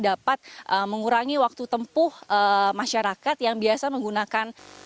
dapat mengurangi waktu tempuh masyarakat yang biasa menggunakan